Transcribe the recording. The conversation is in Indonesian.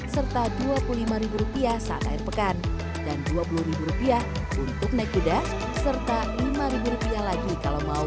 serta rp dua puluh lima saat air pekan dan rp dua puluh untuk naik kuda serta rp lima lagi kalau mau